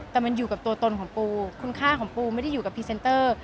แต่มันอยู่กับตัวตนของปูคุณค่าของปูไม่ได้อยู่กับพรีเซนเตอร์